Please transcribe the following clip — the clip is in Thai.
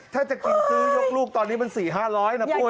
ถ้าจะซื้อยกลูกสี่ห้าร้อยนะปุ้ย